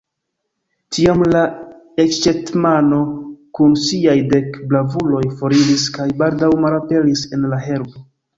Tiam la ekshetmano kun siaj dek bravuloj foriris kaj baldaŭ malaperis en la herbo.